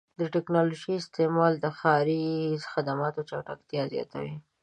د ټکنالوژۍ استعمال د ښاري خدماتو چټکتیا زیاتوي.